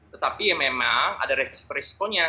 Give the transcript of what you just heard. tetapi memang ada resiko resikonya